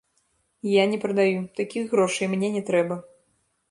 Я не прадаю, такіх грошай мне не трэба.